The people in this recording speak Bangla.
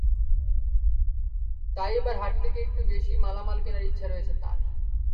তাই এবার হাট থেকে একটু বেশি করে মালামাল কেনার ইচ্ছা রয়েছে তাঁর।